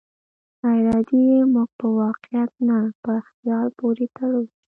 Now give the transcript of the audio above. ناارادي يې موږ په واقعيت نه، په خيال پورې تړو.